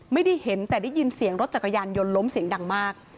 ไม่ได้เห็นแต่ได้ยินเสียงรถจักรยานยนต์ล้มเสียงดังมาก